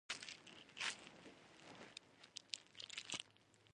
دغه غنم د ګوبک لي تپې ته نږدې دېرش کیلو متره کې موندل شوی.